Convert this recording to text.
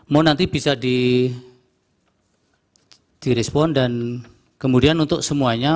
mau nanti bisa direspon dan kemudian untuk semuanya